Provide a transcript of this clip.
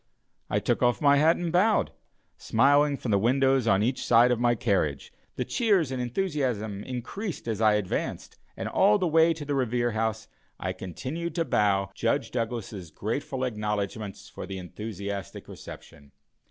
I took off my hat and bowed, smiling from the windows on each side of my carriage; the cheers and enthusiasm increased as I advanced, and all the way to the Revere House I continued to bow Judge Douglas's grateful acknowledgments for the enthusiastic reception.